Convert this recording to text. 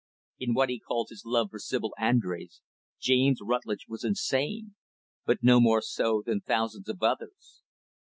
In what he called his love for Sibyl Andrés, James Rutlidge was insane but no more so than thousands of others.